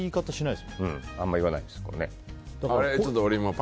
あんまり言わないですね。